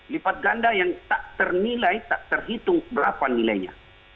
lipat ganda yang tak ternilai tak terhitung berapa nilainya